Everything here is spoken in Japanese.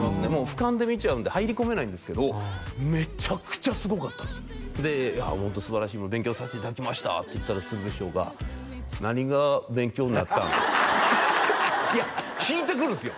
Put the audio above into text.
俯瞰で見ちゃうんで入り込めないんですけどめちゃくちゃすごかったんですで「ホントすばらしいもの勉強させていただきました」って言ったら鶴瓶師匠が「何が勉強になったん？」いや聞いてくるんすよ！